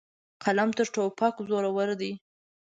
قلم تر توپک زورور دی.